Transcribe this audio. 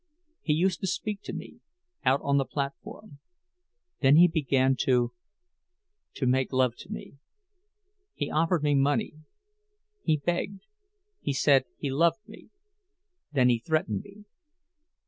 He used to speak to me—out on the platform. Then he began to—to make love to me. He offered me money. He begged me—he said he loved me. Then he threatened me.